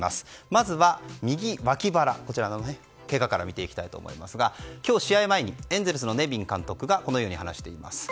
まずは右脇腹のけがから見ていきたいと思いますが今日試合前にエンゼルスのネビン監督がこのように話しています。